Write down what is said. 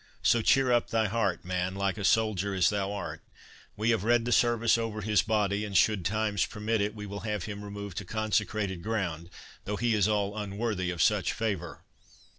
So cheer up thy heart, man, like a soldier as thou art; we have read the service over his body; and should times permit it, we will have him removed to consecrated ground, though he is all unworthy of such favour.